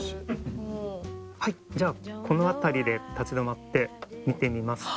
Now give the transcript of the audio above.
「はいじゃあこの辺りで立ち止まって見てみますと」